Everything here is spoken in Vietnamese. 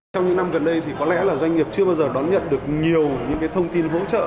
trong những năm gần đây thì có lẽ là doanh nghiệp chưa bao giờ đón nhận được nhiều những thông tin hỗ trợ